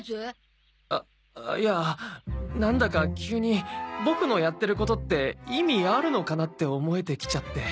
あっいやなんだか急にボクのやってることって意味あるのかなって思えてきちゃって。